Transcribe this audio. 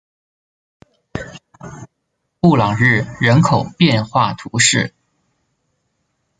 布朗日人口变化图示